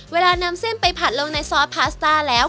เวลานำเส้นไปผัดลงในซอสพาสต้าแล้ว